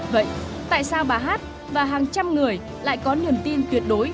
vậy tại sao bà hát và hàng trăm người lại có niềm tin tuyệt đối